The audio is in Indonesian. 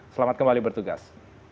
selamat kembali bertugas